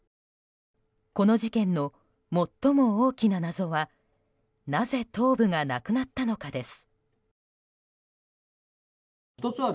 この事件の最も大きな謎はなぜ頭部がなくなったのかです。